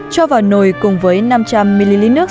cho vào nồi cùng với năm trăm linh ml nước